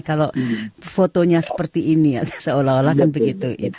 kalau fotonya seperti ini ya seolah olah kan begitu